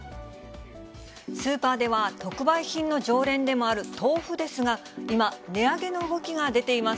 スーパーでは特売品の常連でもある豆腐ですが、今、値上げの動きが出ています。